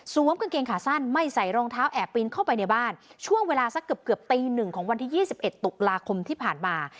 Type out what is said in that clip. กางเกงขาสั้นไม่ใส่รองเท้าแอบปีนเข้าไปในบ้านช่วงเวลาสักเกือบเกือบตีหนึ่งของวันที่๒๑ตุลาคมที่ผ่านมา